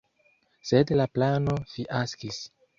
Sed la plano fiaskis.